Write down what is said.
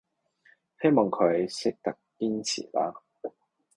希望佢哋識得堅持啦